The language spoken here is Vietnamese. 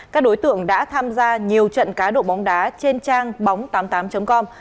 các đối tượng đã tham gia nhiều trận cá độ bóng đá trên trang bóng tám mươi tám com